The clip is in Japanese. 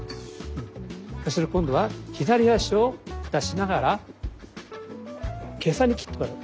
そしたら今度は左足を出しながら袈裟に斬ってもらう。